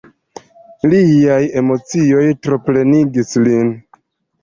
Liaj emocioj troplenigis lin.